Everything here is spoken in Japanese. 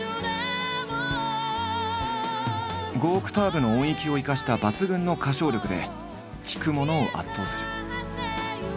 ５オクターブの音域を生かした抜群の歌唱力で聴く者を圧倒する。